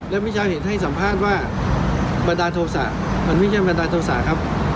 และมิชาเห็นให้สัมภาษณ์ว่าบันดาลโทษะมันไม่ใช่บันดาลโทษะครับ